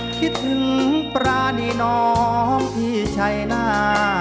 คิดถึงประนิน้องพี่ชัยนา